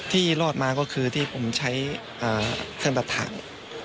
ที่รอดมาก็คือที่ผมใช้เครื่องปรับถ่าง